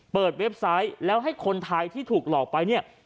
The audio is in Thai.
เว็บไซต์แล้วให้คนไทยที่ถูกหลอกไปเนี่ย